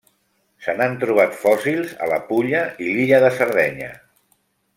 Se n'han trobat fòssils a la Pulla i l'illa de Sardenya.